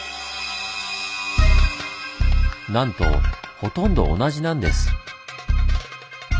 なんとほとんど同じなんです。